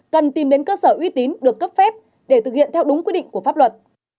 cần tìm đến cơ sở uy tín được cấp phép để thực hiện theo đúng quy định của pháp luật